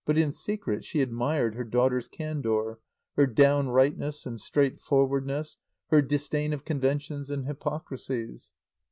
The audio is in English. But in secret she admired her daughter's candour, her downrightness and straightforwardness, her disdain of conventions and hypocrisies.